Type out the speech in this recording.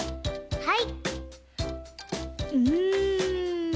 はい。